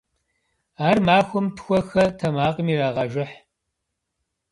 Ар махуэм тхуэ-хэ тэмакъым ирагъэжыхь.